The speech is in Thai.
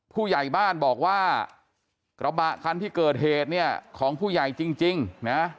ผู้ใหญ่บ้านบอกว่ากระบะคันที่เกิดเหตุเนี่ยของผู้ใหญ่จริงนะ